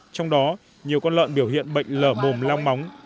trong đó nhiều con lợn biểu hiện bệnh lở mồm long móng